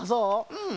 うん。